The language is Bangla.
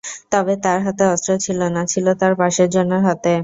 তবে তাঁর হাতে অস্ত্র ছিল না, ছিল তাঁর পাশের জনের হাতে।